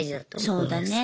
そうだね。